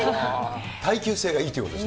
耐久性がいいということです